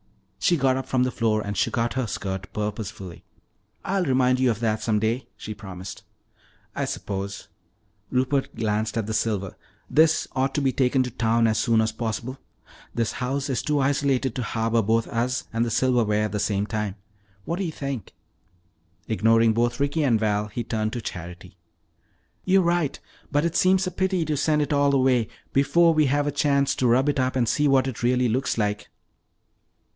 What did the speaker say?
She got up from the floor and shook out her skirt purposefully. "I'll remind you of that some day," she promised. "I suppose," Rupert glanced at the silver, "this ought to be taken to town as soon as possible. This house is too isolated to harbor both us and the silverware at the same time. What do you think?" Ignoring both Ricky and Val, he turned to Charity. "You are right. But it seems a pity to send it all away before we have a chance to rub it up and see what it really looks like!"